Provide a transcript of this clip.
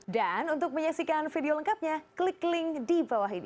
dan untuk menyaksikan video lengkapnya klik link di bawah ini